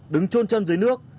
đứng trôn chân dưới nước